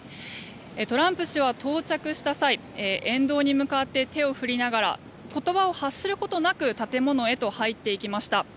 トランプ氏は到着した際沿道に向かって手を振りながら言葉を発することなく建物へと入っていきました。